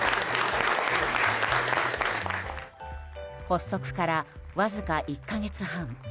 発足から、わずか１か月半。